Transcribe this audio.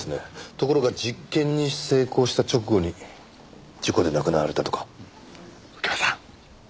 ところが実験に成功した直後に事故で亡くなられたとか。右京さん！